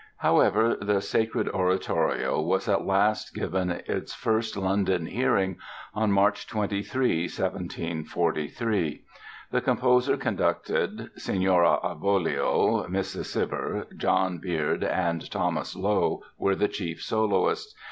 However, the "Sacred Oratorio" was at last given its first London hearing on March 23, 1743. The composer conducted, Signora Avolio, Mrs. Cibber, John Beard and Thomas Lowe were the chief soloists.